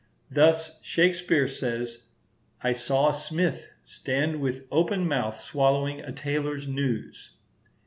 Thus Shakespeare says, "I saw a smith stand with open mouth swallowing a tailor's news."